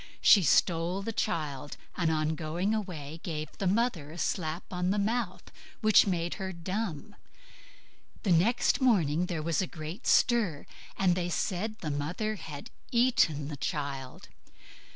She stole the child, and on going away gave the mother a slap on the mouth which made her dumb. Next morning there was a great stir, and they said the mother had eaten the child.